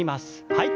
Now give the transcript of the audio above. はい。